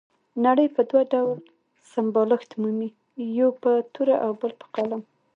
نړۍ په دوه ډول سمبالښت مومي، یو په توره او بل په قلم.